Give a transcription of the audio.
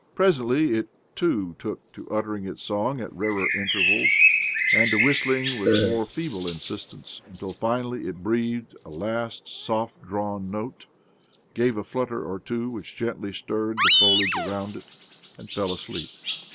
Presently it too took to uttering its song at rarer intervals, and to whistling with more feeble insistence ; until finally it breathed a last soft drawn note, gave a flutter or two which gently stirred the foliage around it, and — fell asleep.